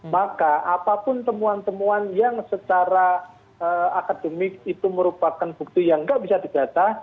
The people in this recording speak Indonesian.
maka apapun temuan temuan yang secara akademik itu merupakan bukti yang nggak bisa didata